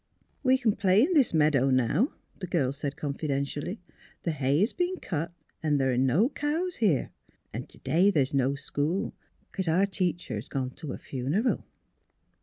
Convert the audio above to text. '^ We can play in this meadow now," the girl said, confidentially. " The hay has been cut and there are no cows here. And to day there is no school, because our teacher has gone to a funeral."